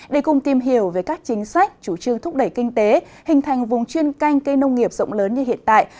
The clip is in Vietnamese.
để cùng tìm hiểu về các chính sách chủ trương thúc đẩy kinh tế hình thành vùng chuyên canh cây nông nghiệp rộng lớn như hiện tại